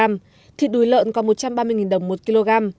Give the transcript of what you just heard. mùi lợn còn một trăm ba mươi đồng một kg